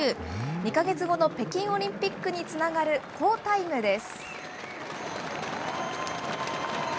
２か月後の北京オリンピックにつながる好タイムです。